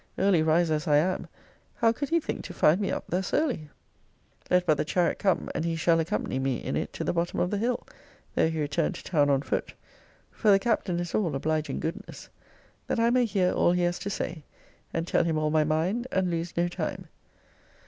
Early riser as I am, how could he think to find me up thus early? Let but the chariot come, and he shall accompany me in it to the bottom of the hill, (though he return to town on foot; for the Captain is all obliging goodness,) that I may hear all he has to say, and tell him all my mind, and lose no time.